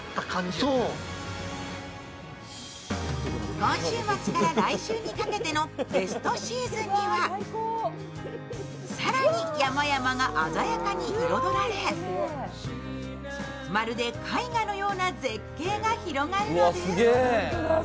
今週末から来週にかけてのベストシーズンには、更に山々が鮮やかに彩られ、まるで絵画のような絶景が広がるのです。